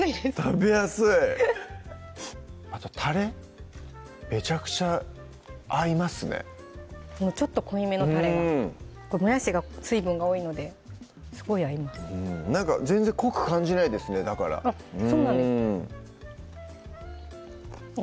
食べやすいあとたれめちゃくちゃ合いますねちょっと濃いめのたれがもやしが水分が多いのですごい合いますなんか全然濃く感じないですねだからあっそうなんですぽん